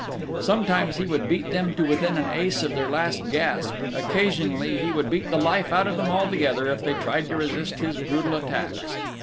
Sometimes he would beat them to within an ace of their last gasp: occasionally he would beat the life out of them altogether if they tried to resist his brutal attacks.